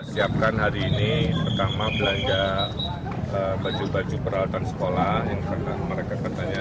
siapkan hari ini pertama belanja baju baju peralatan sekolah yang pernah mereka katanya